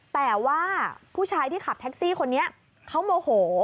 แต่ว่าผู้ชายที่ขับแท็กซี่คนนี้เขาโมโห